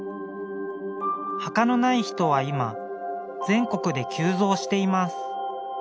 墓のない人は今全国で急増しています。